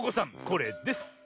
これです。